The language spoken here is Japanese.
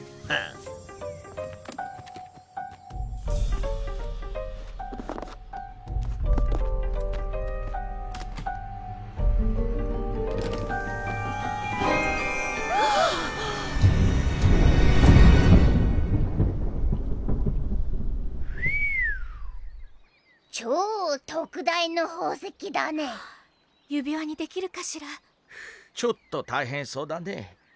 フッちょっと大変そうだね。